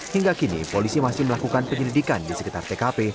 hingga kini polisi masih melakukan penyelidikan di sekitar tkp